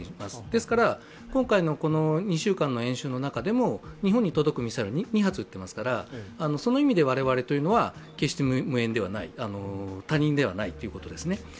ですから、今回の２週間の演習の中でも日本に届くミサイルは２発撃っていますからその意味で我々は決して無縁ではない、他人ではないということですね。